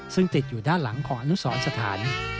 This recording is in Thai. ซึ่งติดอยู่ด้านหลังของอนุสรสถาน